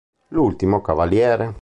L'ultimo cavaliere